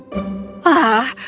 jangan mencoba apapun